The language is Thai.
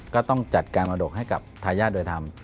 ก็ต้องจัดการมรดกให้กับทายาทโดยธรรม